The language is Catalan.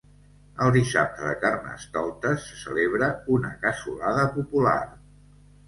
El dissabte de carnestoltes se celebra una cassolada popular.